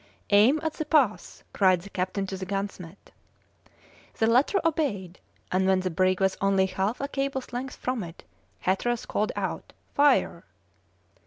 "Aim at the pass!" cried the captain to the gunsmith. The latter obeyed, and when the brig was only half a cable's length from it, Hatteras called out: "Fire!"